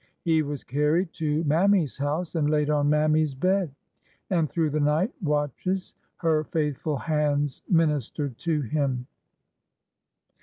He was carried to Mammy's house and laid on Mammy's bed, and through the night watches her faithful hands ministered to him.